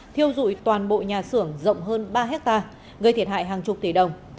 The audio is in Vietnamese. thiêu dụi toàn bộ nhà xưởng rộng hơn ba hectare gây thiệt hại hàng chục tỷ đồng